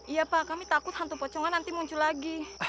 iya pak kami takut hantu pocongan nanti muncul lagi